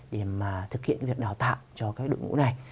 để mà thực hiện việc đào tạo cho các đội ngũ này